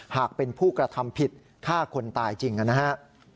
หากเป็นผู้กระทำผิดฆ่าคนตายจริงนะครับ